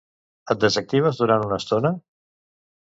Et desactives durant una estona?